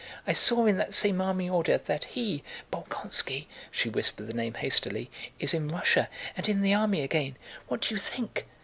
"I saw in that same army order that he, Bolkónski" (she whispered the name hastily), "is in Russia, and in the army again. What do you think?"